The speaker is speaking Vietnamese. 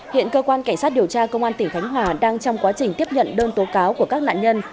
hiện cơ quan cảnh sát điều tra công an tỉnh khánh hòa đang trong quá trình tiếp nhận đơn tố cáo của các nạn nhân